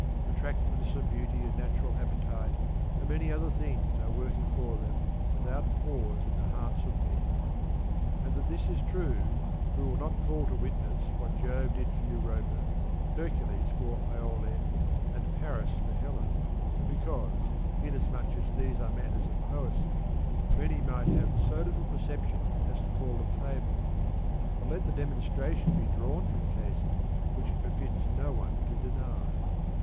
Attractiveness and beauty and natural appetite and many other things are working for them without pause in the hearts of men. And that this is true we will not call to witness what Jove did for Europa, Hercules for lole, and Paris for Helen, because, in as much as these are matters of poesy, many might have so little perception as to call them fables, but let the demonstration be drawn from cases which it befits no one to deny.